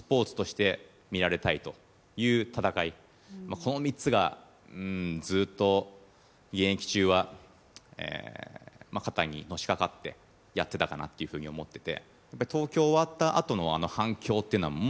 この３つがずっと、現役中は肩にのしかかってやっていたかなと思ってて。